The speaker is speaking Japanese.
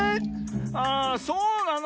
あらそうなの。